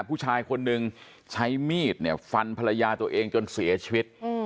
ผู้ชายคนนึงใช้มีดเนี่ยฟันภรรยาตัวเองจนเสียชีวิต